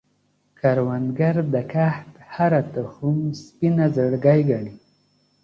کروندګر د کښت هره تخم سپینه زړګی ګڼي